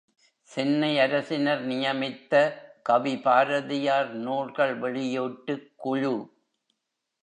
சென்னை அரசினர் நியமித்த கவி பாரதியார் நூல்கள் வெளியீட்டுக் குழு.